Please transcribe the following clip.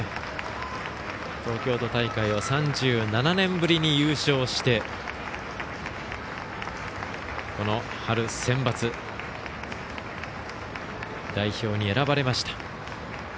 東京都大会を３７年ぶりに優勝してこの春センバツ代表に選ばれました。